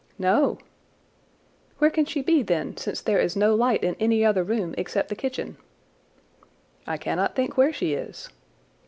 "No." "Where can she be, then, since there is no light in any other room except the kitchen?" "I cannot think where she is."